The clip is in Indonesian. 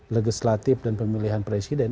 legislatif dan pemilihan presiden